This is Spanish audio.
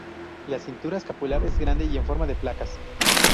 La cintura escapular es grande y en forma de placas.